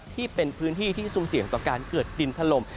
ที่เป็นพื้นที่ที่ซุ่มเสี่ยงต่อการเกิดดินถล่ม